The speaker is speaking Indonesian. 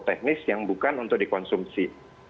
teknis yang bukan untuk dikonsumsi